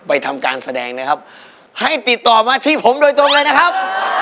ทำการแสดงนะครับให้ติดต่อมาที่ผมโดยตรงเลยนะครับ